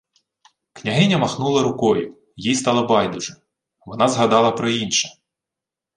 Княгиня махнула рукою, їй стало байдуже. Вона згадала про інше: